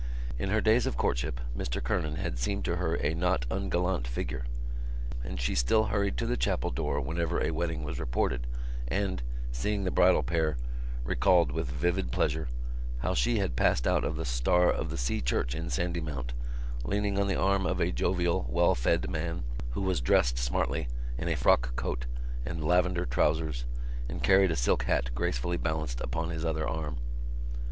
In her days of courtship Mr Kernan had seemed to her a not ungallant figure: and she still hurried to the chapel door whenever a wedding was reported and, seeing the bridal pair, recalled with vivid pleasure how she had passed out of the Star of the Sea Church in Sandymount, leaning on the arm of a jovial well fed man, who was dressed smartly in a frock coat and lavender trousers and carried a silk hat gracefully balanced upon his other arm.